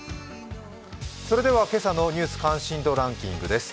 それでは今朝の「ニュース関心度ランキング」です。